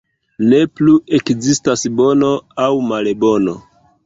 Ne plu ekzistas bono aŭ malbono.